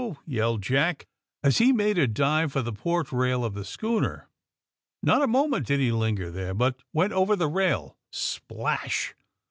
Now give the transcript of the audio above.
yelled Jack, as he made a dive for the port rail of the schooner. Not a moment did he linger there, hut went over the rail, splash!